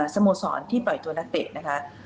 สโมสรที่ปล่อยตัวนักเตะนะคะ